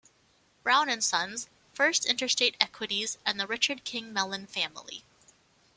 Brown and Sons, First Interstate Equities, and the Richard King Mellon family.